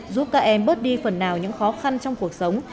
giúp các em bớt đi phần nào những khó khăn trong cuộc sống